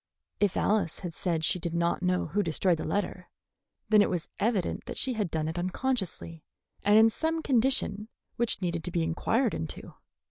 If Alice had said she did not know who destroyed the letter, then it was evident that she had done it unconsciously and in some condition which needed to be inquired into.